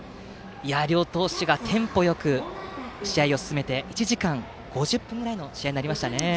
両投手がテンポよく試合を進めて１時間５０分ぐらいの試合でした。